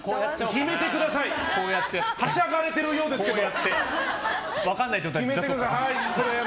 決めてください。はしゃがれてるようですけど決めてください！